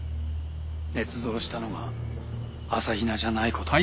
捏造したのが朝比奈じゃないことも。